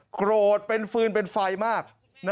โกรธเป็นฟืนเป็นไฟมาก